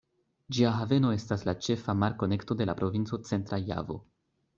Ĝia haveno estas la ĉefa mar-konekto de la provinco Centra Javo.